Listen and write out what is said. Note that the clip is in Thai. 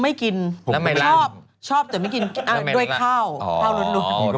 ไม่กินชอบชอบแต่ไม่กินด้วยข้าวนะคะข้าวลุ๊นลุก